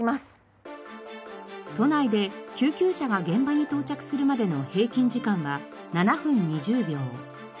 都内で救急車が現場に到着するまでの平均時間は７分２０秒。